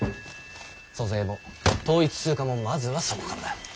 租税も統一通貨もまずはそこからだ。